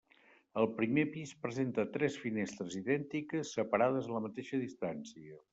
El primer pis presenta tres finestres idèntiques separades a la mateixa distància.